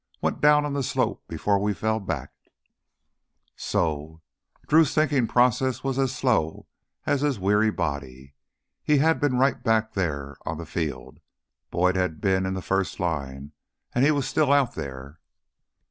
Went down on the slope before we fell back " So Drew's thinking process was as slow as his weary body he had been right back there on the field! Boyd had been in the first line, and he was still out there.